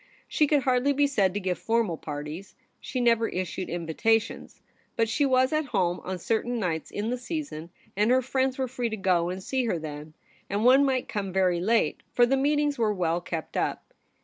She could hardly be said to give formal parties. She never issued invitations ; but she was at home on certain nights in the season, and her friends MADAME SPIN OLA AT HOME. 105 were free to go and see her then, and one might come very late, for the meetings were well kept up.